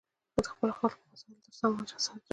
د خپلو خلکو د مسایلو ترڅنګ منسجمول.